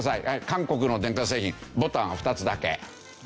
韓国の電化製品ボタンは２つだけ。